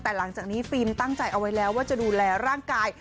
แต่หลังจากนี้ฟิล์มตั้งใจเอาไว้แล้วว่าจะดูแลร่างกาย